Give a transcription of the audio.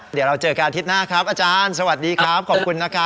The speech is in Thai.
เดี๋ยวเราเจอกันอาทิตย์หน้าครับอาจารย์สวัสดีครับขอบคุณนะครับ